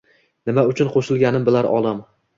Nima uchun qo‘shilganim bilar olam.